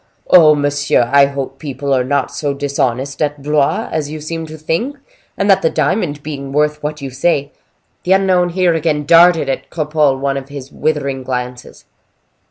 "Oh, monsieur, I hope people are not so dishonest at Blois as you seem to think; and that the diamond, being worth what you say—" The unknown here again darted at Cropole one of his withering glances.